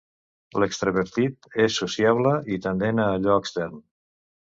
L'extravertit és sociable i tendent a allò extern.